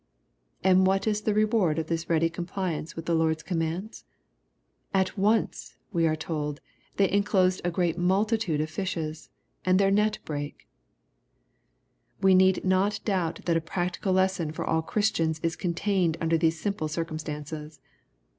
And what was the reward of this ready compliance with the Lord's commands ? At once, we are told, " they enclosed a great multitude of fishes : and their net brake. We need not doubt that a practical lesson for all Christians is contained under these simple circumstances.